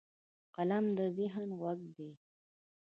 قلم د ذهن غوږ دی